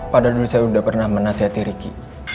pada dulu saya udah pernah menasihati ricky